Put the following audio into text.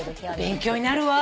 勉強になるわ。